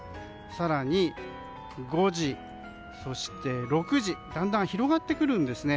更に５時、そして６時だんだん広がってくるんですね。